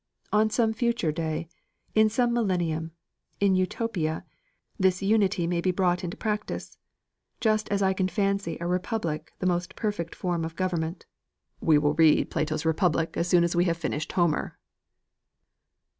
On some future day in some millennium in Utopia, this unity may be brought into practice just as I can fancy a republic the most perfect form of government." "We will read Plato's Republic as soon as we have finished Homer."